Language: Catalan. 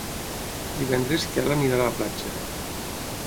Divendres en Quel anirà a la platja.